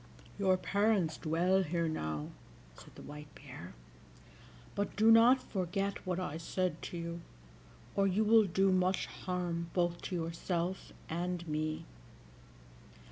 "Your parents dwell here now," said the White Bear; "but do not forget what I said to you, or you will do much harm both to yourself and me."